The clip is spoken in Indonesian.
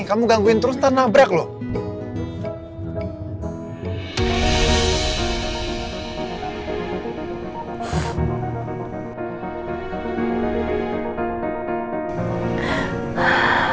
kamu gangguin terus ntar nabrak loh